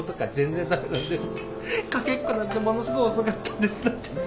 「駆けっこなんてものすごい遅かったんです」なんて。